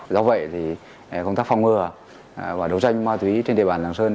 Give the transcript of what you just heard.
do vậy thì công tác phòng ngừa và đấu tranh ma túy trên đề bàn làng sơn